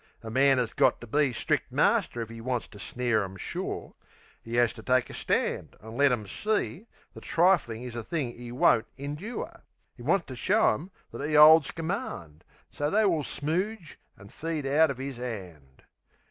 A man 'as got to be Stric' master if 'e wants to snare 'em sure. 'E 'as to take a stand an' let 'em see That triflin' is a thing'e won't indure. 'E wants to show 'em that 'e 'olds command, So they will smooge an' feed out of 'is 'and.